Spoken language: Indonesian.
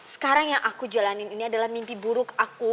sekarang yang aku jalanin ini adalah mimpi buruk aku